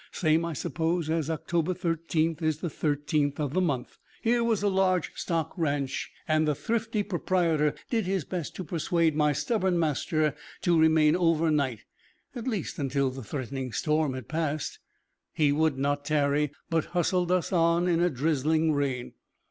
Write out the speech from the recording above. Same, I suppose, as October thirteenth is the 13th of the month. Here was a large stock ranch, and the thrifty proprietor did his best to persuade my stubborn master to remain over night, at least until the threatening storm had passed. He would not tarry, but hustled us on in a drizzling rain.